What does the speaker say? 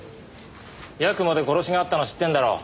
八雲で殺しがあったの知ってんだろ。